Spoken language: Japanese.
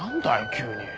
急に。